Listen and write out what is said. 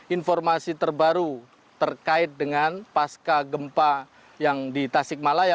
informasi terbaru terkait dengan pasca gempa yang di tasikmalaya